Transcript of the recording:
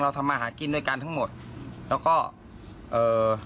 ทำมาหากินด้วยกันทั้งหมดแล้วก็เอ่อ